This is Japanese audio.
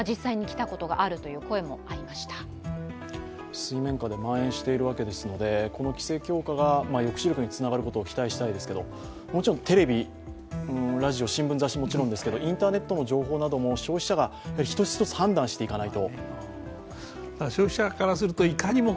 水面下でまん延しているわけですのでこの規制強化が抑止力につながることを期待したいですけどもちろんテレビ、ラジオ、新聞、雑誌もちろんですけどインターネットの情報なども消費者が１つ１つ判断していかないと。